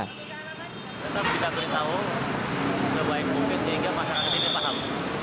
tetap kita beritahu sebaik mungkin sehingga masyarakat ini paham